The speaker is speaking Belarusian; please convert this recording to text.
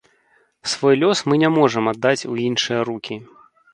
Свой лёс мы не можам аддаць у іншыя рукі.